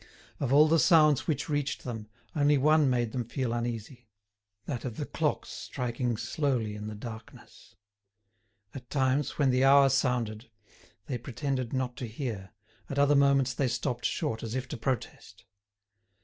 Of all the sounds which reached them, only one made them feel uneasy, that of the clocks striking slowly in the darkness. At times, when the hour sounded, they pretended not to hear, at other moments they stopped short as if to protest.